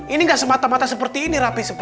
ini gak semata mata seperti ini rapi